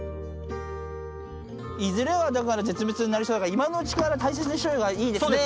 いずれは絶滅になりそうだから今のうちから大切にしとけばいいですね？